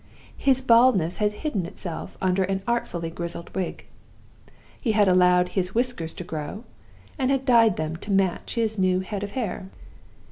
His baldness had hidden itself under an artfully grizzled wig. He had allowed his whiskers to grow, and had dyed them to match his new head of hair.